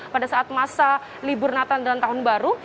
pada saat masa liburnatan dan tahun baru